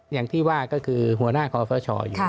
อย่างที่ว่าก็คือหัวหน้าคอฟชอยู่